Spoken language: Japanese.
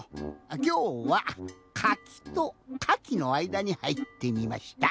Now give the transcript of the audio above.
きょうは「かき」と「かき」のあいだにはいってみました。